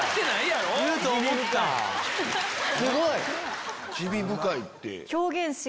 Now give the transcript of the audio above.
すごい！